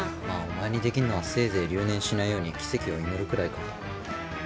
まあお前にできんのはせいぜい留年しないように奇跡を祈るくらいか。